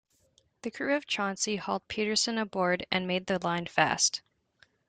The crew of "Chauncey" hauled Peterson aboard and made the line fast.